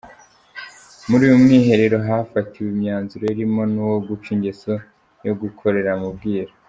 Muri uyu mwiherero hafatiwemo imyanzuro irimo n’uwo guca ingeso yo gukorera mu bwiru.